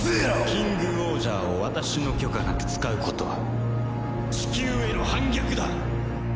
キングオージャーを私の許可なく使うことはチキューへの反逆だ！